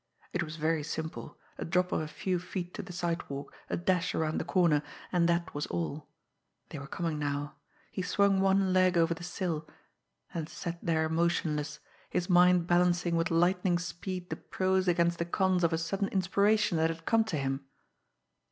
It was very simple, a drop of a few feet to the sidewalk, a dash around the corner and that was all. They were coming now. He swung one leg over the sill and sat there motionless, his mind balancing with lightning speed the pros against the cons of a sudden inspiration that had come to him.